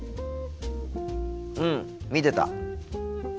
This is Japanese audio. うん見てた。